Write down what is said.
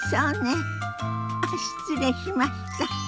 あっ失礼しました。